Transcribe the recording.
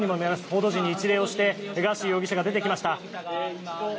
報道陣に一礼をしてガーシー容疑者が出てきました。